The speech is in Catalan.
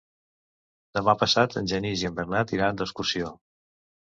Demà passat en Genís i en Bernat iran d'excursió.